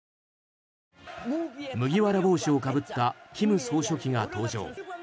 麦わら帽子をかぶった金総書記が登場。